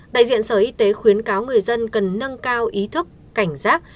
đại diện sở y tế khuyến cáo người dân cần nâng cao ý thức cảnh giác